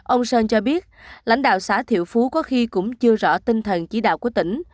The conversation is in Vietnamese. ông sơn cho biết lãnh đạo xã thiệu phú có khi cũng chưa rõ tinh thần chỉ đạo của tỉnh